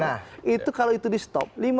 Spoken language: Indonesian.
nah itu kalau itu di stop